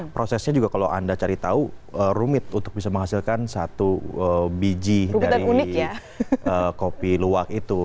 prosesnya juga kalau anda cari tahu rumit untuk bisa menghasilkan satu biji dari kopi luwak itu